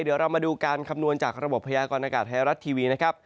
เดี๋ยวเรามาดูการคำนวณจากระบบพยากรณากาศไทยรัฐทีวีนะครับ